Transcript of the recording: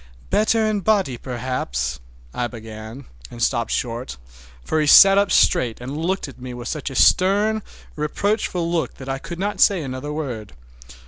"Better in body perhaps"—I began, and stopped short, for he sat up straight and looked at me with such a stern, reproachful look that I could not say another word.